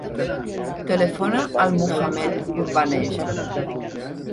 Telefona al Mohammed Urbaneja.